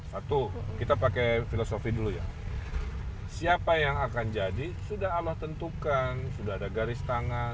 satu kita pakai filosofi dulu ya siapa yang akan jadi sudah allah tentukan sudah ada garis tangan